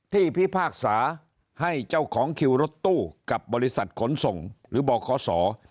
พิพากษาให้เจ้าของคิวรถตู้กับบริษัทขนส่งหรือบขศ